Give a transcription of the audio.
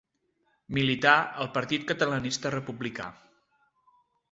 Milità al Partit Catalanista Republicà.